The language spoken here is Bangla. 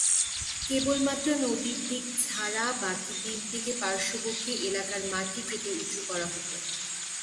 কেবলমাত্র নদীর দিক ছাড়া বাকী তিন দিকে পার্শ্ববর্তী এলাকার মাটি কেটে উঁচু করা হতো।